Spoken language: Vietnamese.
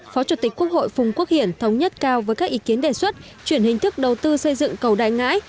phó chủ tịch quốc hội phùng quốc hiển thống nhất cao với các ý kiến đề xuất chuyển hình thức đầu tư xây dựng cầu đại ngãi